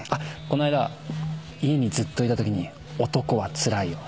この間家にずっといたときに『男はつらいよ』